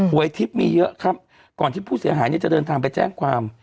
วยทิพย์มีเยอะครับก่อนที่ผู้เสียหายเนี่ยจะเดินทางไปแจ้งความ